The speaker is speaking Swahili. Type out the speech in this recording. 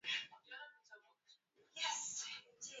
Goli maarufu la na Goli la historia kwa Zaidi ya miaka mia moja